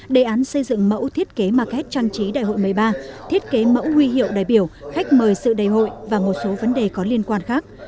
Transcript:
đề án xây dựng mẫu thiết kế market trang trí đại hội một mươi ba thiết kế mẫu huy hiệu đại biểu khách mời sự đại hội và một số vấn đề có liên quan khác